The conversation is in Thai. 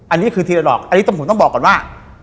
อันนี้คือทีละดอกอันนี้ผมต้องบอกก่อนว่า